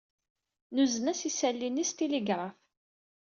Nuzen-as isalli-nni s tiligraf.